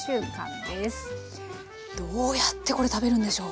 どうやってこれ食べるんでしょう？